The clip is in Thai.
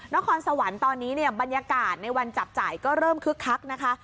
นครสวรรค์ตอนนี้เนี่ยบรรยากาศในวันจับจ่ายก็เริ่มคึกคักนะคะ